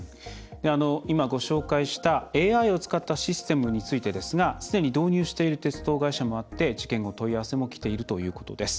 今、ご紹介したＡＩを使ったシステムについてですがすでに導入している鉄道会社もあって事件後、問い合わせもきているということです。